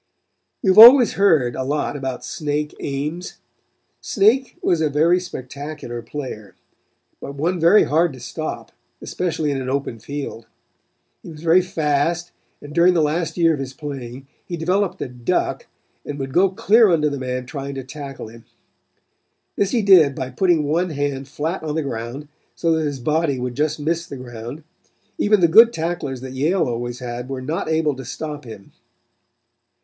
"You have always heard a lot about Snake Ames. Snake was a very spectacular player, but one very hard to stop, especially in an open field. He was very fast and during the last year of his playing he developed a duck and would go clear under the man trying to tackle him. This he did by putting one hand flat on the ground, so that his body would just miss the ground; even the good tacklers that Yale always had were not able to stop him.